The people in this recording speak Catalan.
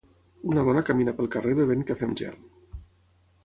Una dona camina pel carrer bevent cafè amb gel.